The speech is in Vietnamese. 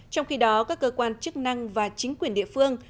trong khi đó các cơ quan chức năng và chính quyền địa phương